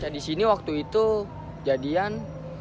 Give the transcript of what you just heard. cuaca disini waktu itu jadian